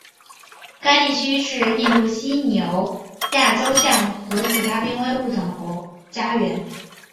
该地区是印度犀牛亚洲象和其他濒危物种的家园。